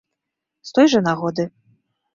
З той жа нагоды.